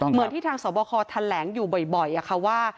เหมือนที่ทางสวบคแทนแหลงอยู่บ่อยค่ะว่า